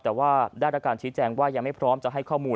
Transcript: แต่ว่าได้รับการชี้แจงว่ายังไม่พร้อมจะให้ข้อมูล